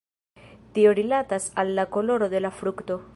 Tio rilatas al la koloro de la frukto.